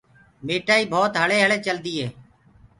ميٺآئي بوت هݪي هݪي چلدي هي۔